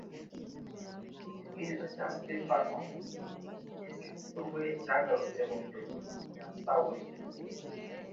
Ikibwirizwa cya Sitefano igihe cy’urupfu rwe cyagarutse mu bitekerezo bya Sawuli,